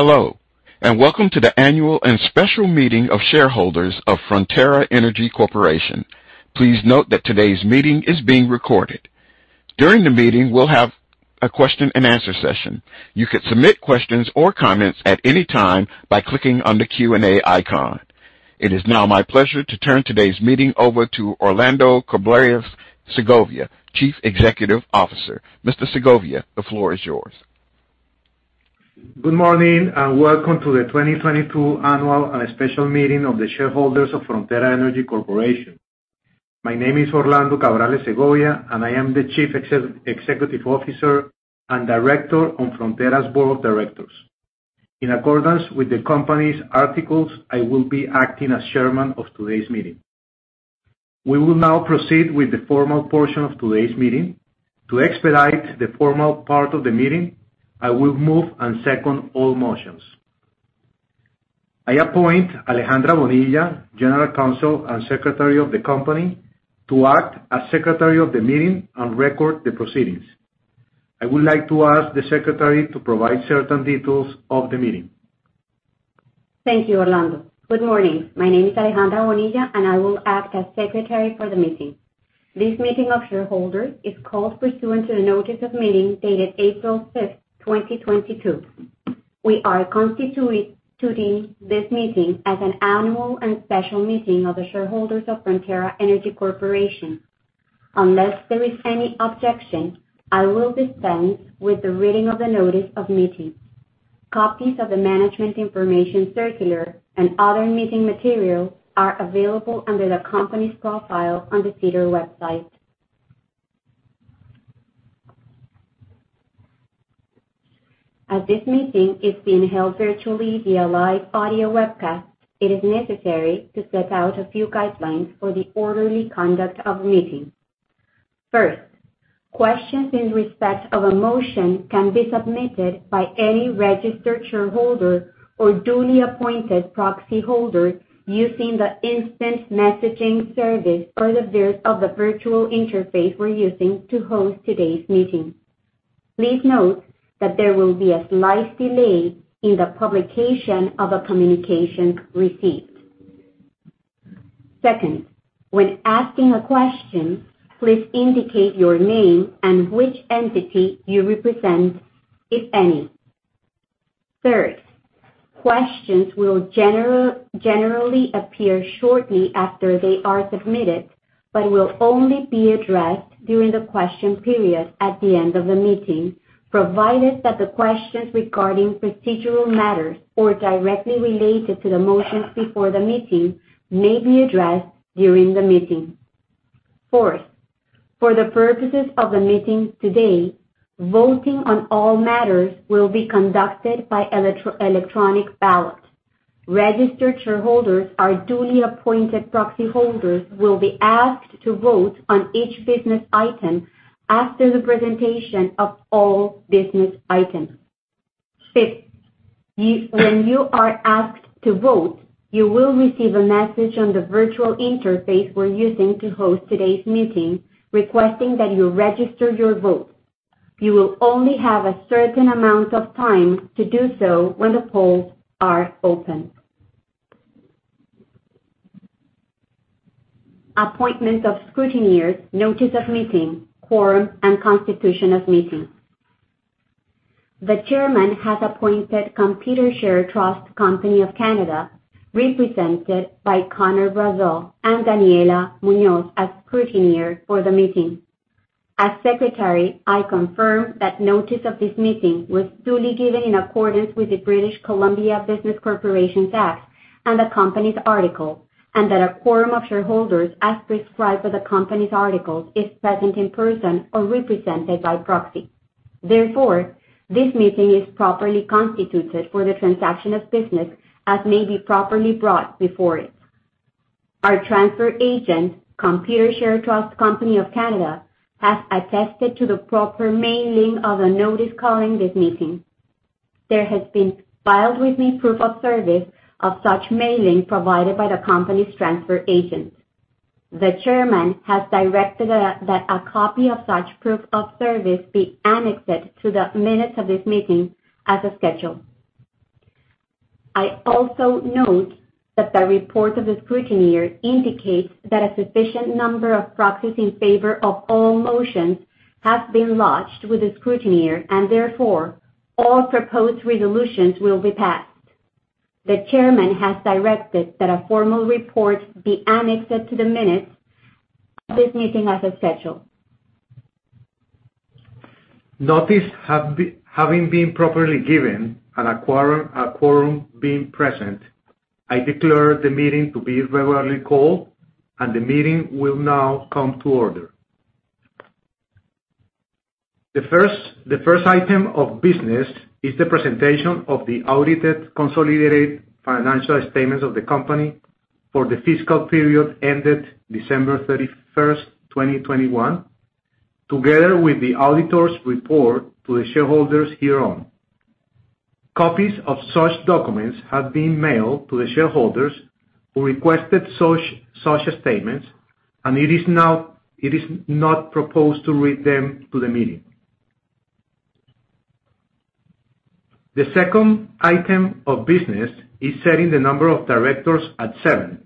Hello, and welcome to the Annual and Special Meeting of Shareholders of Frontera Energy Corporation. Please note that today's meeting is being recorded. During the meeting, we'll have a question-and-answer session. You could submit questions or comments at any time by clicking on the Q&A icon. It is now my pleasure to turn today's meeting over to Orlando Cabrales Segovia, Chief Executive Officer. Mr. Segovia, the floor is yours. Good morning, and welcome to the 2022 Annual and Special Meeting of the Shareholders of Frontera Energy Corporation. My name is Orlando Cabrales Segovia, and I am the Chief Executive Officer and Director on Frontera's Board of Directors. In accordance with the company's articles, I will be acting as Chairman of today's meeting. We will now proceed with the formal portion of today's meeting. To expedite the formal part of the meeting, I will move and second all motions. I appoint Alejandra Bonilla, General Counsel and Secretary of the company, to act as Secretary of the meeting and record the proceedings. I would like to ask the Secretary to provide certain details of the meeting. Thank you, Orlando. Good morning. My name is Alejandra Bonilla, and I will act as Secretary for the meeting. This Meeting of Shareholders is called pursuant to the notice of meeting dated April 5th, 2022. We are constituting this meeting as an Annual and Special Meeting of the shareholders of Frontera Energy Corporation. Unless there is any objection, I will dispense with the reading of the notice of meetings. Copies of the Management Information Circular and other meeting material are available under the company's profile on the SEDAR website. As this meeting is being held virtually via live audio webcast, it is necessary to set out a few guidelines for the orderly conduct of the meeting. First, questions in respect of a motion can be submitted by any registered shareholder or duly appointed proxy holder using the instant messaging service or the virtual interface we're using to host today's meeting. Please note that there will be a slight delay in the publication of a communication received. Second, when asking a question, please indicate your name and which entity you represent, if any. Third, questions will generally appear shortly after they are submitted, but will only be addressed during the question period at the end of the meeting, provided that the questions regarding procedural matters or directly related to the motions before the meeting may be addressed during the meeting. Fourth, for the purposes of the meeting today, voting on all matters will be conducted by electronic ballot. Registered shareholders or duly appointed proxy holders will be asked to vote on each business item after the presentation of all business items. Fifth, when you are asked to vote, you will receive a message on the virtual interface we're using to host today's meeting requesting that you register your vote. You will only have a certain amount of time to do so when the polls are open. Appointment of scrutineers, notice of meeting, quorum, and constitution of meeting. The Chairman has appointed Computershare Trust Company of Canada, represented by Connor Brazeau and Daniela Munoz as scrutineer for the meeting. As Secretary, I confirm that notice of this meeting was duly given in accordance with the British Columbia Business Corporations Act and the company's article, and that a quorum of shareholders as prescribed by the company's articles is present in person or represented by proxy. Therefore, this meeting is properly constituted for the transaction of business as may be properly brought before it. Our transfer agent, Computershare Trust Company of Canada, has attested to the proper mailing of a notice calling this meeting. There has been filed with me proof of service of such mailing provided by the company's transfer agent. The Chairman has directed that a copy of such proof of service be annexed to the minutes of this meeting as a schedule. I also note that the report of the scrutineer indicates that a sufficient number of proxies in favor of all motions have been lodged with the scrutineer, and therefore, all proposed resolutions will be passed. The Chairman has directed that a formal report be annexed to the minutes of this meeting as a schedule. Notice having been properly given and a quorum being present, I declare the meeting to be regularly called and the meeting will now come to order. The first item of business is the presentation of the audited consolidated financial statements of the company for the fiscal period ended December 31st, 2021, together with the Auditor's report to the shareholders hereon. Copies of such documents have been mailed to the shareholders who requested such statements. It is not proposed to read them to the meeting. The second item of business is setting the number of Directors at seven.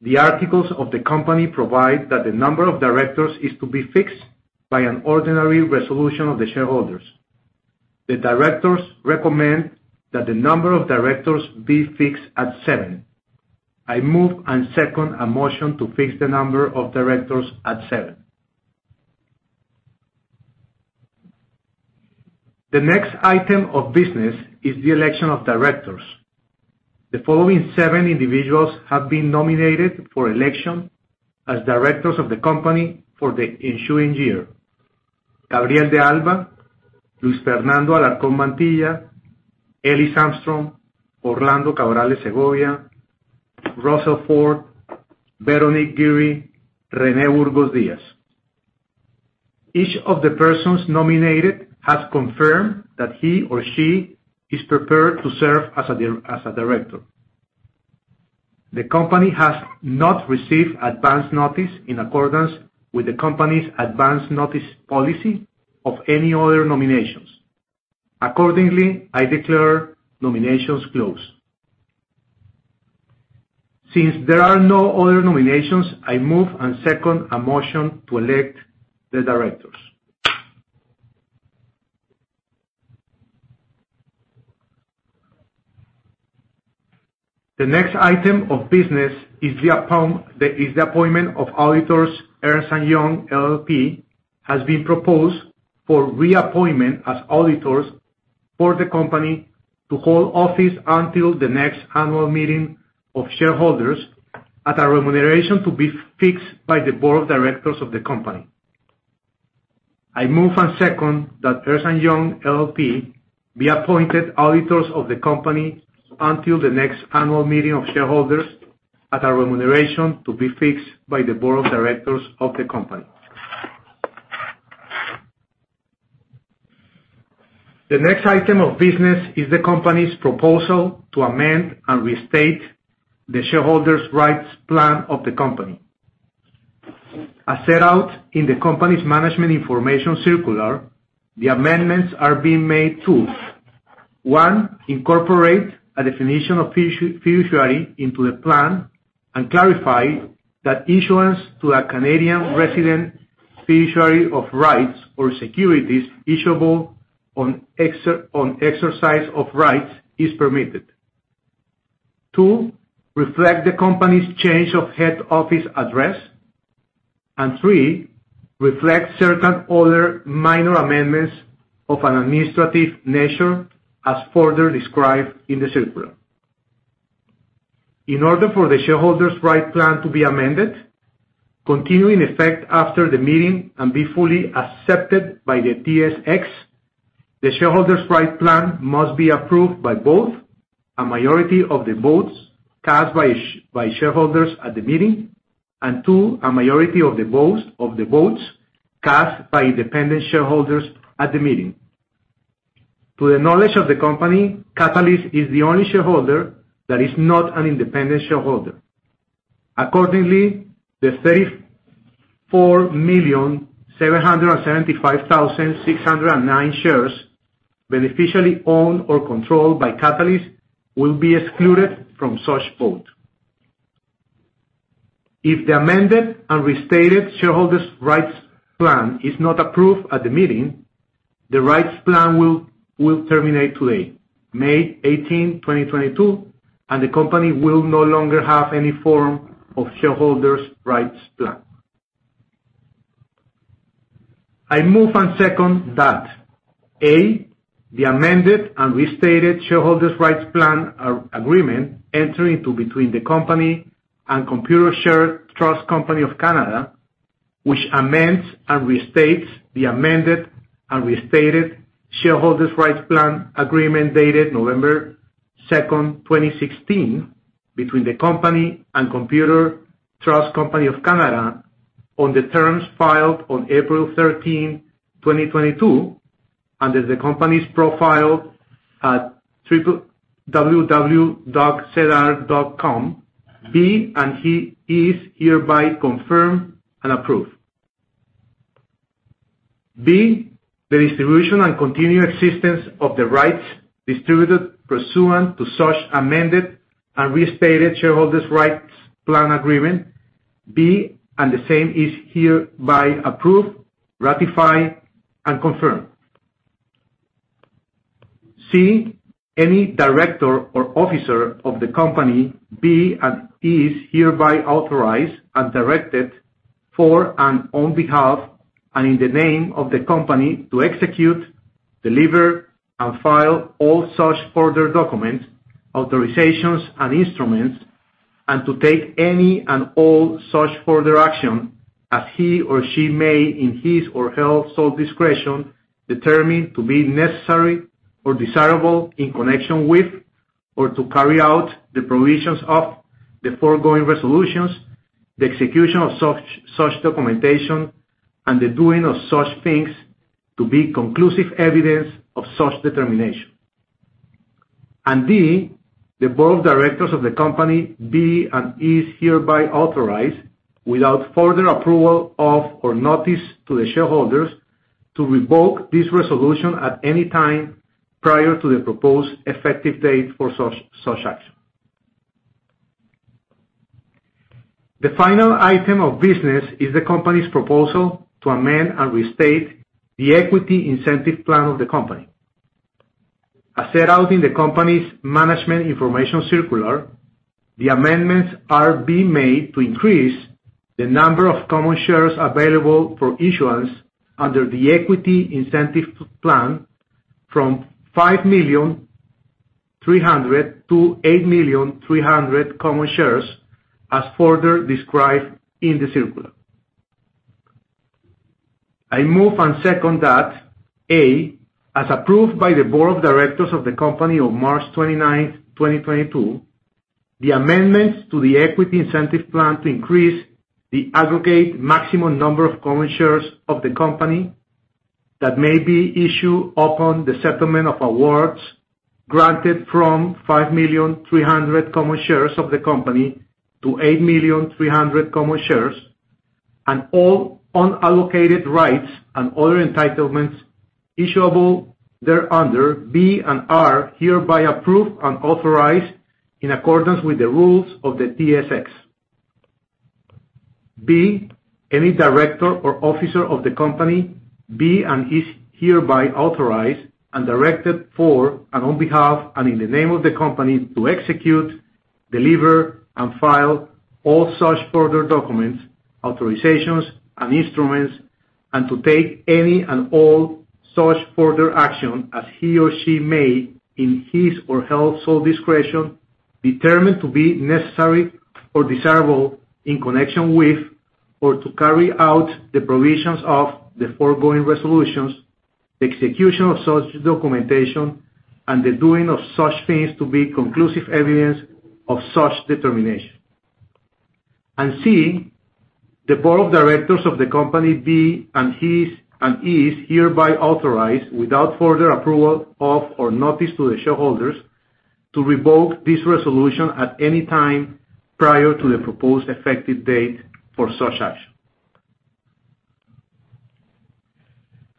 The Articles of the company provide that the number of Directors is to be fixed by an ordinary resolution of the shareholders. The Directors recommend that the number of Directors be fixed at seven. I move and second a motion to fix the number of Directors at seven. The next item of business is the election of Directors. The following seven individuals have been nominated for election as Directors of the company for the ensuing year. Gabriel De Alba, Luis Fernando Alarcon Mantilla, Ellis Armstrong, Orlando Cabrales Segovia, Russell Ford, Veronique Giry, Rene Burgos Diaz. Each of the persons nominated has confirmed that he or she is prepared to serve as a Director. The company has not received advance notice in accordance with the company's advance notice policy of any other nominations. Accordingly, I declare nominations closed. Since there are no other nominations, I move and second a motion to elect the Directors. The next item of business is the appointment of auditors. Ernst & Young LLP has been proposed for reappointment as auditors for the company to hold office until the next annual meeting of shareholders at a remuneration to be fixed by the Board of Directors of the company. I move and second that Ernst & Young LLP be appointed auditors of the company until the next annual meeting of shareholders at a remuneration to be fixed by the Board of Directors of the company. The next item of business is the company's proposal to amend and restate the shareholders' rights plan of the company. As set out in the company's management information circular, the amendments are being made to: One, incorporate a definition of fiduciary into the plan and clarify that issuance to a Canadian resident fiduciary of rights or securities issuable on exercise of rights is permitted. Two, reflect the company's change of head office address. Three, reflect certain other minor amendments of an administrative nature as further described in the circular. In order for the Shareholders' Rights Plan to be amended, continue in effect after the meeting and be fully accepted by the TSX, the Shareholders' Rights Plan must be approved by both a majority of the votes cast by shareholders at the meeting, and two, a majority of the votes cast by independent shareholders at the meeting. To the knowledge of the company, Catalyst is the only shareholder that is not an independent shareholder. Accordingly, the 34,775,609 shares beneficially owned or controlled by Catalyst will be excluded from such vote. If the Amended and Restated Shareholders' Rights Plan is not approved at the meeting, the Rights Plan will terminate today, May 18, 2022, and the company will no longer have any form of Shareholders' Rights Plan. I move and second that: A, the Amended and Restated Shareholders' Rights Plan Agreement entered into between the company and Computershare Trust Company of Canada, which amends and restates the Amended and Restated Shareholders' Rights Plan Agreement dated November 2, 2016 between the company and Computershare Trust Company of Canada on the terms filed on April 13, 2022, under the company's profile at www.sedar.com, be and is hereby confirmed and approved. B, the distribution and continued existence of the rights distributed pursuant to such Amended and Restated Shareholders' Rights Plan Agreement, be and the same is hereby approved, ratified, and confirmed. C, any Director or Officer of the company be and is hereby authorized and directed for and on behalf and in the name of the company to execute, deliver, and file all such further documents, authorizations, and instruments, and to take any and all such further action as he or she may in his or her sole discretion determine to be necessary or desirable in connection with or to carry out the provisions of the foregoing resolutions, the execution of such documentation, and the doing of such things to be conclusive evidence of such determination. D, the Board of Directors of the company be and is hereby authorized, without further approval of or notice to the shareholders, to revoke this resolution at any time prior to the proposed effective date for such action. The final item of business is the company's proposal to amend and restate the Equity Incentive Plan of the company. As set out in the company's Management Information Circular, the amendments are being made to increase the number of common shares available for issuance under the Equity Incentive Plan from 5,000,300 to 8,000,300 common shares, as further described in the Circular. I move and second that, A, as approved by the Board of Directors of the company on March 29th, 2022, the amendments to the Equity Incentive Plan to increase the aggregate maximum number of common shares of the company that may be issued upon the settlement of awards granted from 5,000,300 common shares of the company to 8,000,300 common shares, and all unallocated rights and other entitlements issuable thereunder be and are hereby approved and authorized in accordance with the rules of the TSX. B, any Director or Officer of the company be and is hereby authorized and directed for and on behalf and in the name of the company to execute, deliver and file all such further documents, authorizations and instruments, and to take any and all such further action as he or she may, in his or her sole discretion, determine to be necessary or desirable in connection with or to carry out the provisions of the foregoing resolutions, the execution of such documentation and the doing of such things to be conclusive evidence of such determination. C, the Board of Directors of the company be and is hereby authorized, without further approval of or notice to the shareholders, to revoke this resolution at any time prior to the proposed effective date for such action.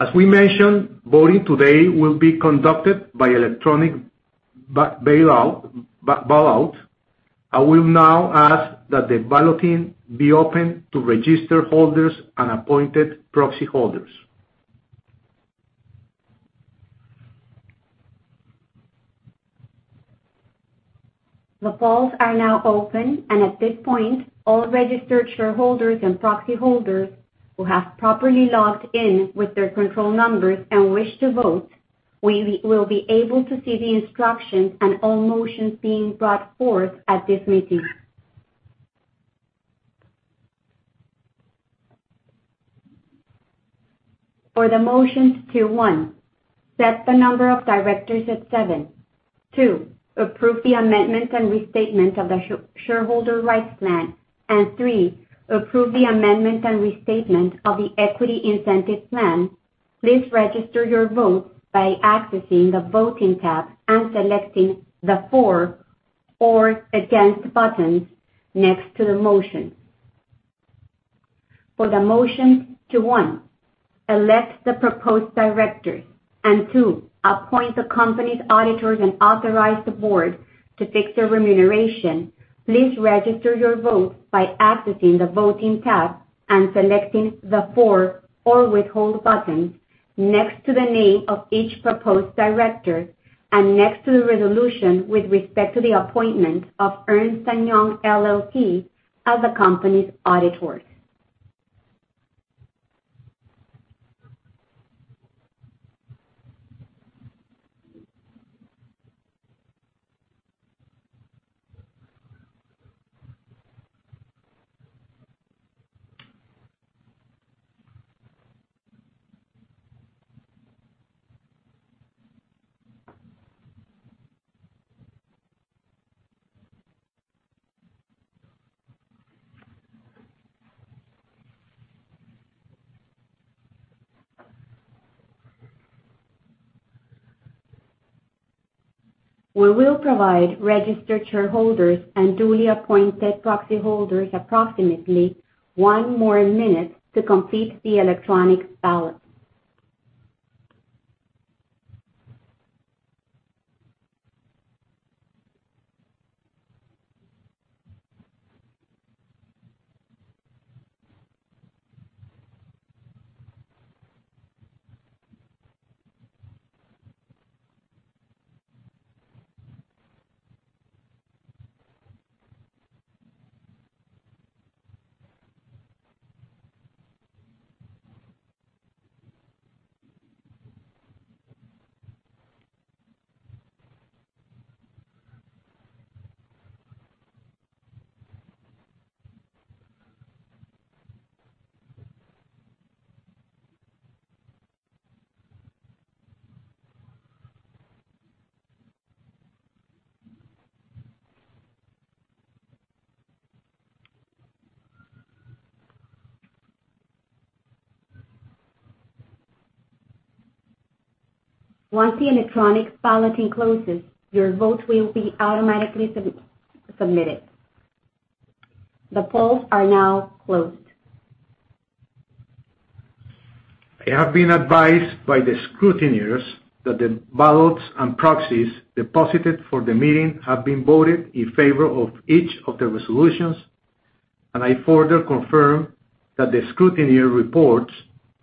As we mentioned, voting today will be conducted by electronic ballot. I will now ask that the balloting be open to registered holders and appointed proxy holders. The polls are now open, and at this point, all registered shareholders and proxy holders who have properly logged in with their control numbers and wish to vote will be able to see the instructions and all motions being brought forth at this meeting. For the motions to, one, set the number of Directors at seven, two, approve the amendment and restatement of the shareholder rights plan, and three, approve the amendment and restatement of the equity incentive plan, please register your vote by accessing the Voting tab and selecting the For or Against buttons next to the motion. For the motions to, one, elect the proposed Directors, and two, appoint the company's auditors and authorize the Board to fix their remuneration. Please register your vote by accessing the Voting tab and selecting the For or Withhold button next to the name of each proposed Director and next to the resolution with respect to the appointment of Ernst & Young LLP as the company's auditors. We will provide registered shareholders and duly appointed proxy holders approximately one more minute to complete the electronic ballot. Once the electronic balloting closes, your vote will be automatically submitted. The polls are now closed. I have been advised by the scrutineers that the ballots and proxies deposited for the meeting have been voted in favor of each of the resolutions. I further confirm that the scrutineer reports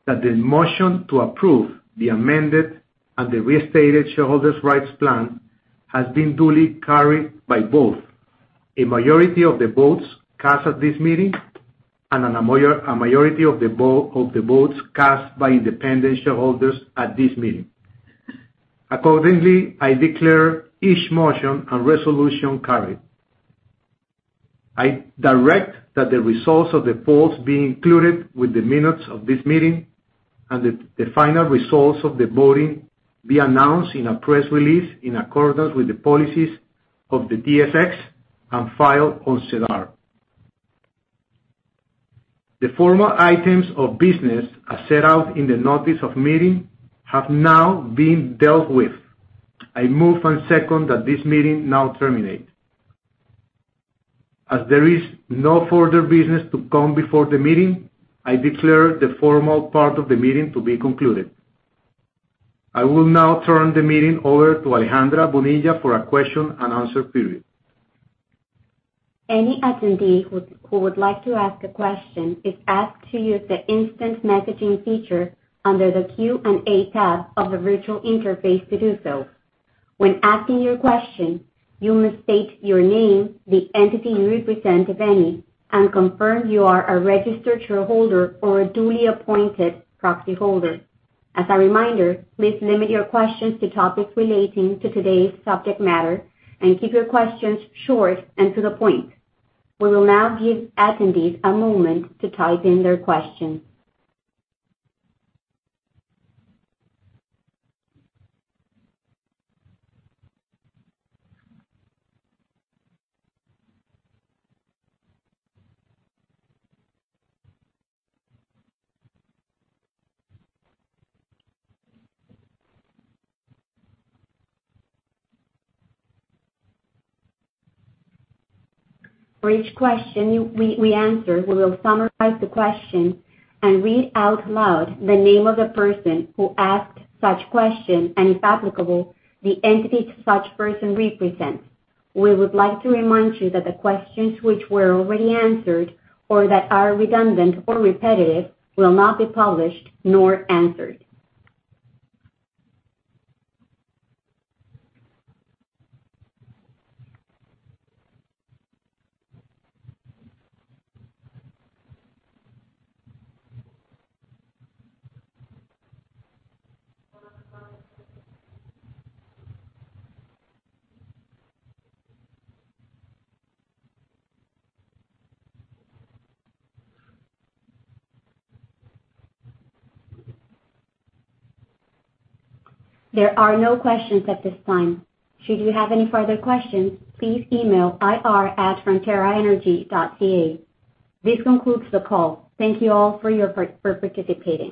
that the motion to approve the Amended and the Restated Shareholders' Rights Plan has been duly carried by both a majority of the votes cast at this meeting and a majority of the votes cast by independent shareholders at this meeting. Accordingly, I declare each motion and resolution carried. I direct that the results of the polls be included with the minutes of this meeting and that the final results of the voting be announced in a press release in accordance with the policies of the TSX and filed on SEDAR. The formal items of business as set out in the Notice of Meeting have now been dealt with. I move and second that this meeting now terminate. As there is no further business to come before the meeting, I declare the formal part of the meeting to be concluded. I will now turn the meeting over to Alejandra Bonilla for a question-and-answer period. Any attendee who would like to ask a question is asked to use the instant messaging feature under the Q&A tab of the virtual interface to do so. When asking your question, you must state your name, the entity you represent, if any, and confirm you are a registered shareholder or a duly appointed proxyholder. As a reminder, please limit your questions to topics relating to today's subject matter and keep your questions short and to the point. We will now give attendees a moment to type in their questions. For each question we answer, we will summarize the question and read out loud the name of the person who asked such question and, if applicable, the entity such person represents. We would like to remind you that the questions which were already answered or that are redundant or repetitive will not be published nor answered. There are no questions at this time. Should you have any further questions, please email ir@fronteraenergy.ca. This concludes the call. Thank you all for participating.